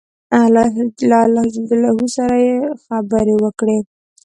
له الله جل جلاله سره یې خبرې وکړې.